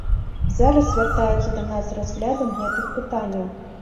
Зараз звяртаюцца да нас з разглядам гэтых пытанняў.